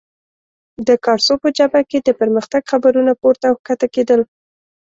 د کارسو په جبهه کې د پرمختګ خبرونه پورته او کښته کېدل.